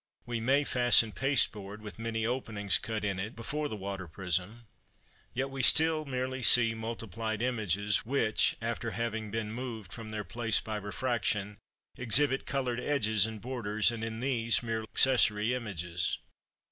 We may fasten pasteboard, with many openings cut in it, before the water prism, yet we still merely see multiplied images which, after having been moved from their place by refraction, exhibit coloured edges and borders, and in these mere accessory images.